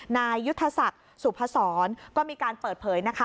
นายยุทธศักดิ์สุพศรก็มีการเปิดเผยนะคะ